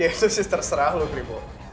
ya itu sih terserah lo gribbo